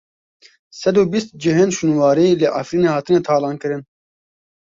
Sed û bîst cihên şûnwarî li Efrînê hatine talankirin.